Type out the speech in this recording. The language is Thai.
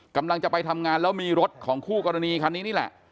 กำลังจะไปทำงานแล้วมีรถของคู่กรณีคันนี้นี่แหละ